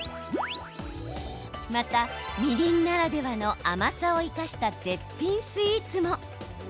また、みりんならではの甘さを生かした絶品スイーツも。